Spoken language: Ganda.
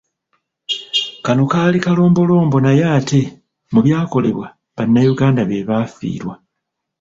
Kano kaali kalombolombo naye ate mu byakolebwa, bannayuganda be baafiirwa.